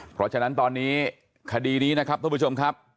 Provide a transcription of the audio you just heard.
เพราะฉะนั้นตอนนี้คดีนี้นะครับท่านผู้ชมครับ